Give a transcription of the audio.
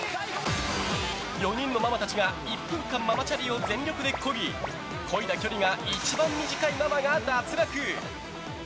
４人のママたちが１分間、ママチャリを全力でこぎこいだ距離が一番短いママが脱落。